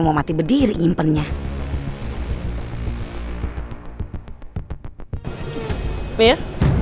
mau mati berdiri impennya